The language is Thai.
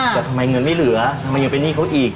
แต่ทำไมเงินไม่เหลือทำไมยังเป็นหนี้เขาอีก